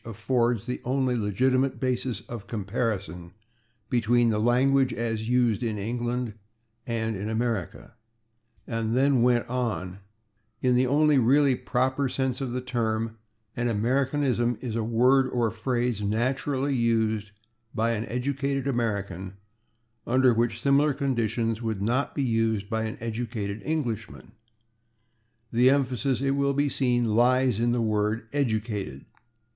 affords the only legitimate basis of comparison between the language as used in England and in America," and then went on: In the only really proper sense of the term, an Americanism is a word or phrase naturally used by an educated American which under similar conditions would not be used by an educated Englishman. The emphasis, it will be seen, lies in the word "educated."